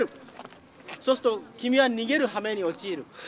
そうすると君は逃げるはめに陥る。